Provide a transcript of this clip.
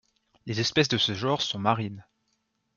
Les espèces de ce genre sont marines.